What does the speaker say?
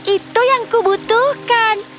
itu yang kubutuhkan